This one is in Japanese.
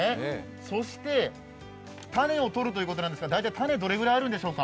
そして、種を取るということなんですが大体種はどのぐらいあるんですか？